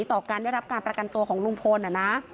ต่อการได้รับการประกันตัวของลุงพลนะ